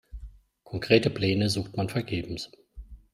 Konkrete Pläne sucht man vergebens.